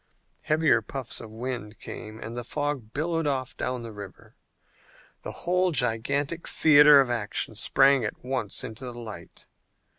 Heavier puffs of wind came and the fog billowed off down the river. The whole gigantic theater of action sprang at once into the light.